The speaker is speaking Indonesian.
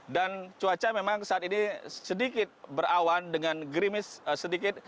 dan cuaca memang saat ini sedikit berawan dengan grimis sedikit